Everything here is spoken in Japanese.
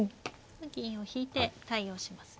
銀を引いて対応しますね。